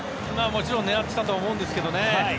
もちろん狙っていたとは思うんですけどね。